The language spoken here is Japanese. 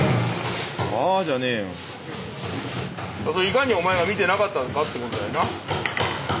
いかにお前が見てなかったかってことだよな分かる？